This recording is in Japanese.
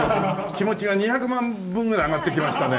気持ちが２００万分ぐらい上がってきましたね。